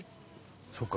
そうか。